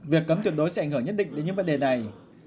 việc cấm tuyệt đối sẽ ảnh hưởng nhất định đến những vấn đề này